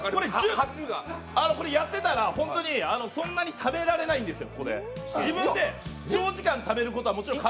やってたら、ホントに、そんなにタメられないんですよ。